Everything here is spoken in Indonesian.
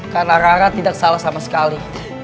karena rara tidak salah sama sekali